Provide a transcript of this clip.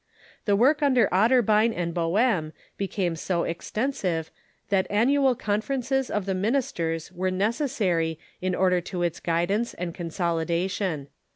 The work under Otterbein and Boehm be came so extensive that annual conferences of the ministers were necessary in order to its guidance and consolidation.